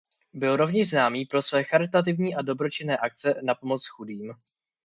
Byl rovněž známý pro své charitativní a dobročinné akce na pomoc chudým.